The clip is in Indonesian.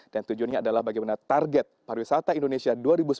dan tujuannya adalah bagaimana target pariwisata indonesia dua ribu sembilan belas